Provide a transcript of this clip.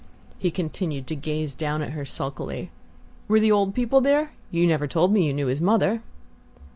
He continued to gaze down at her sulkily. "Were the old people there? You never told me you knew his mother."